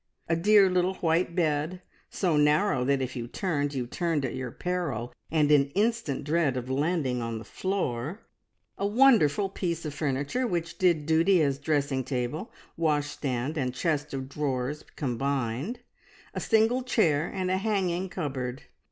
A dear little white bed, so narrow that if you turned, you turned at your peril and in instant dread of landing on the floor; a wonderful piece of furniture which did duty as dressing table, washstand, and chest of drawers combined; a single chair and a hanging cupboard.